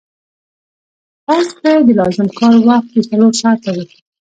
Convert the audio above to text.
فرض کړئ د لازم کار وخت چې څلور ساعته وو